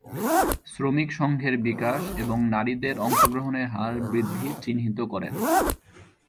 শ্রমিক সংঘের বিকাশ এবং নারীদের অংশগ্রহণের হার বৃদ্ধি চিহ্নিত করেন।